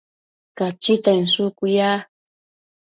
Cachita inshucu ya